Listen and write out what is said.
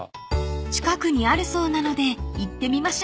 ［近くにあるそうなので行ってみましょう］